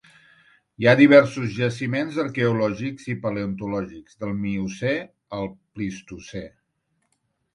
Hi ha diversos jaciments arqueològics i paleontològics del Miocè al Plistocè.